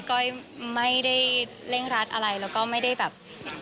ก้อยไม่ได้เร่งรัดอะไรแล้วก็ไม่ได้แบบ